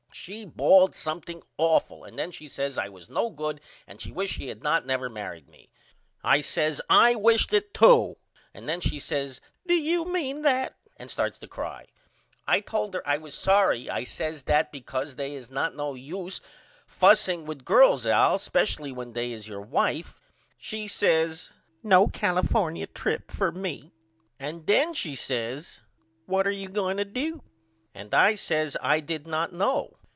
She bawled something awful and then she says I was no good and she wished she had not never married me. I says I wisht it too and then she says Do you mean that and starts to cry. I told her I was sorry I says that because they is not no use fusing with girls Al specially when they is your wife. She says No California trip for me and then she says What are you going to do? And I says I did not know.